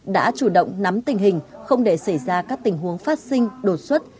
đã chủ động nắm tình hình không để xảy ra các tình huống phát sinh đột xuất